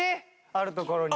あるところに。